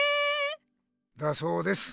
だそうです。